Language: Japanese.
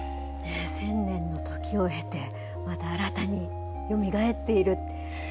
１０００年の時を経てまた新たによみがえっている。